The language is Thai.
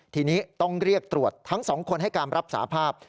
ทีนี้ต้องเรียกตรวจทั้ง๒คนให้การรับสาภาพ